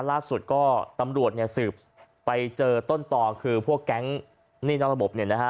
ล่าสุดก็ตำรวจเนี่ยสืบไปเจอต้นต่อคือพวกแก๊งหนี้นอกระบบเนี่ยนะฮะ